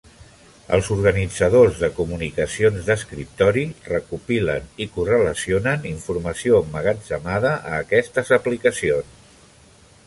Els organitzadors de comunicacions d'escriptori recopilen i correlacionen informació emmagatzemada a aquestes aplicacions.